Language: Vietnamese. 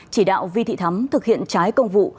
chỉ đạo vi thị thắm thực hiện trái công vụ